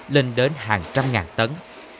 lên đến hàng trăm ngàn tấn